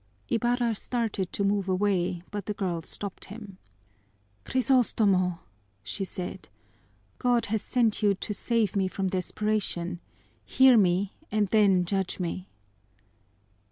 Ibarra started to move away, but the girl stopped him. "Crisostomo," she said, "God has sent you to save me from desperation. Hear me and then judge me!"